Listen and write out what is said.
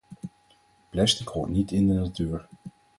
Plastic hoort niet in de natuur